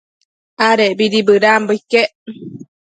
Adecbidi bëdanbo iquec